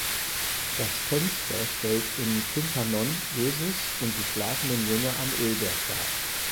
Das Fenster stellt im Tympanon Jesus und die schlafenden Jünger am Ölberg dar.